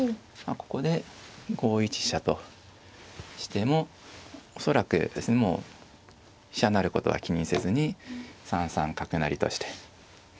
ここで５一飛車としても恐らくもう飛車成ることは気にせずに３三角成として。